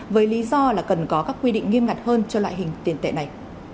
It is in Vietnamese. với lý do là cần có các quy định nghiêm ngặt hơn cho loại hình tiền tệ này